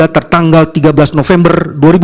tertanggal tiga belas november dua ribu dua puluh